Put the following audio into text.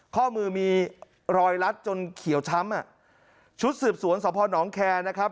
ข้อมือมีรอยรัดจนเขียวช้ำอ่ะชุดสืบสวนสพนแคร์นะครับ